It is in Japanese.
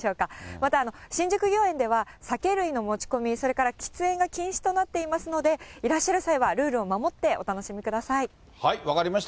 また、新宿御苑では酒類の持ち込み、それから喫煙が禁止となっていますので、いらっしゃる際は、ルー分かりました。